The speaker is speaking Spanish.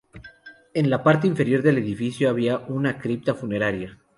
En la parte inferior del edificio había una cripta funeraria.